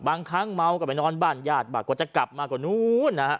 บางครั้งเมาท์กลับไปนอนบ้านญาติบัดกว่าจะกลับมากว่านู้นนะครับ